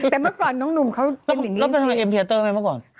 แต่เมื่อก่อนน้องหนุ่มเขาเป็นอย่างนี้สิแล้วเขาไปทำอะไรเอ็มเทียตเตอร์ไหมเมื่อก่อน